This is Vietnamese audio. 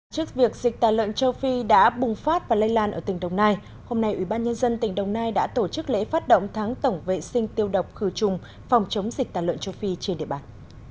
trước việc dịch tà lợn châu phi đã bùng phát và lây lan ở tỉnh đồng nai hôm nay ủy ban nhân dân tỉnh đồng nai đã tổ chức lễ phát động tháng tổng vệ sinh tiêu độc khử trùng phòng chống dịch tả lợn châu phi trên địa bàn